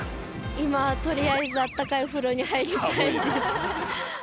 今、とりあえずあったかいお風呂に入りたいです。